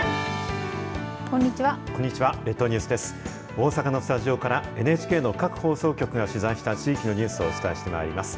大阪のスタジオからＮＨＫの各放送局が取材した地域のニュースをお伝えしてまいります。